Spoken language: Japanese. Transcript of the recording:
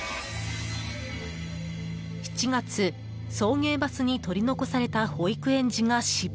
７月、送迎バスに取り残された保育園児が死亡。